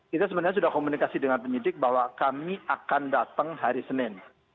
kita sebenarnya sudah komunikasi dengan penyidik bahwa kami akan datang hari senin